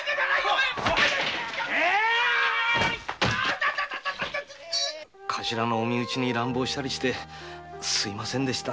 えーい‼頭のお身内に乱暴したりしてすみませんでした。